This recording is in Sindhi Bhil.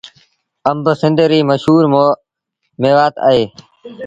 آݩب سنڌ ريٚ مشهور ميوآت اهي۔